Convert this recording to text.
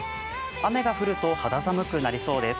雨が降ると肌寒くなりそうです。